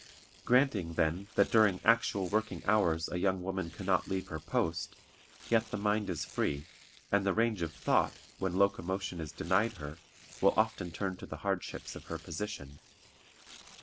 Granting, then, that during actual working hours a young woman can not leave her post, yet the mind is free, and the range of thought, when locomotion is denied her, will often turn to the hardships of her position.